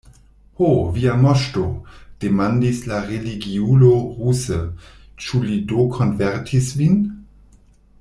Ho, via moŝto, demandis la religiulo ruse, ĉu li do konvertis vin?